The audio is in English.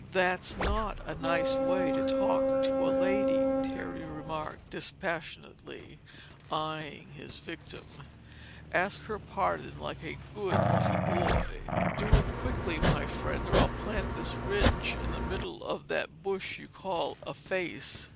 "That's not a nice way to talk to a lady!" Terry remarked dispassionately eyeing his victim. "Ask her pardon like a good little boy. Do it quickly, my friend, or I'll plant this wrench in the middle of that bush you call a face!"